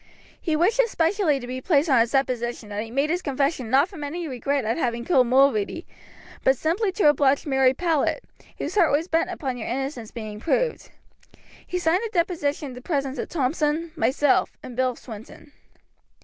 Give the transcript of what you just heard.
He wished it specially to be placed on his deposition that he made his confession not from any regret at having killed Mulready, but simply to oblige Mary Powlett, whose heart was bent upon your innocence being proved. He signed the deposition in the presence of Thompson, myself, and Bill Swinton."